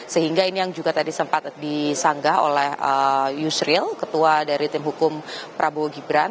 sehingga ini yang juga tadi sempat disanggah oleh yusril ketua dari tim hukum prabowo gibran